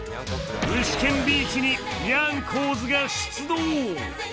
具志堅ビーチにニャンコーズが出動！